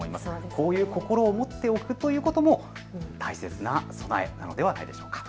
こういう心を持っておくということも大切な備えなのではないでしょうか。